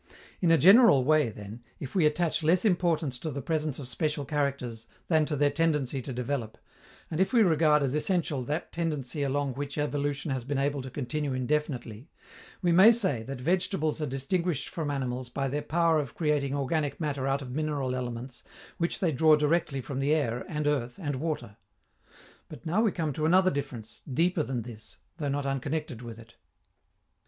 In a general way, then, if we attach less importance to the presence of special characters than to their tendency to develop, and if we regard as essential that tendency along which evolution has been able to continue indefinitely, we may say that vegetables are distinguished from animals by their power of creating organic matter out of mineral elements which they draw directly from the air and earth and water. But now we come to another difference, deeper than this, though not unconnected with it.